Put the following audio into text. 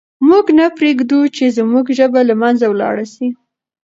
موږ نه پرېږدو چې زموږ ژبه له منځه ولاړه سي.